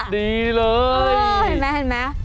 ดีเลยเห็นไหม